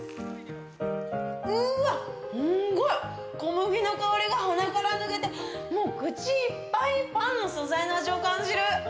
うーわ、すんごい、小麦の香りが鼻から抜けて、もう口いっぱいパンの素材の味を感じる。